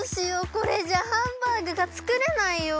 これじゃハンバーグがつくれないよ！